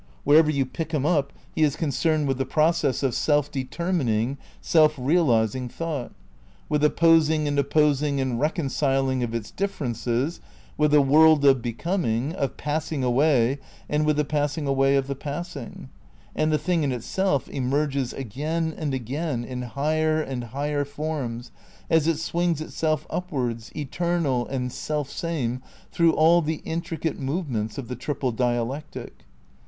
Wherever you pick him up he is concerned with the process of self determin ing, self realising thought ; with the posing and oppos ing and reconciling of its differences; with the world of Becoming, of passing away and with the passing away of the passing. And the Thing in Itself emerges again and again in higher and higher forms, as it swings itself upwards, eternal and selfsame through all the intricate movements of the Triple Dialectic.